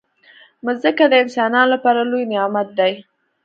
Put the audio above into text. مځکه د انسانانو لپاره لوی نعمت دی.